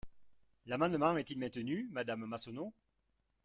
L’amendement est-il maintenu, madame Massonneau?